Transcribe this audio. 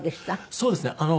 そうですね。